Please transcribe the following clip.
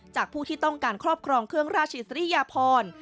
ผู้ที่ต้องการครอบครองเครื่องราชอิสริยพร